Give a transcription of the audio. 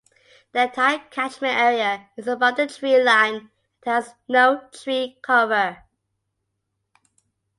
The entire catchment area is above the tree line and has no tree cover.